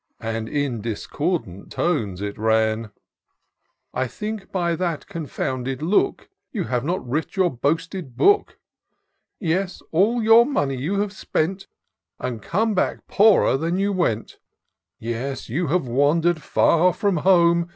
And in discordant tones it ran :—" I think, by that confounded look. You have not writ your boasted book; Yes, all your money you have spent, And come back poorer than you went ; Yes, you have wander'd far from home.